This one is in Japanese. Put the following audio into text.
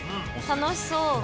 楽しそう。